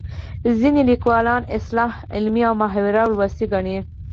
ځینې لیکوالان اصطلاح علمي او محاوره ولسي ګڼي